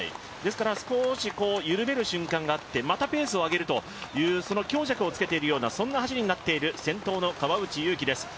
少し、緩める瞬間があってまたペースを上げるという強弱をつけているようなそんな走りになっている先頭の川内優輝です。